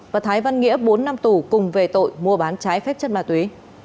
và thái văn nghĩa bốn năm tù cùng về tội mua bán trái phép chất ma túy